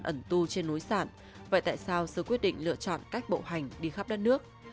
ẩn tu trên núi sản vậy tại sao sư quyết định lựa chọn cách bộ hành đi khắp đất nước